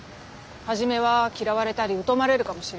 初めは嫌われたり疎まれるかもしれない。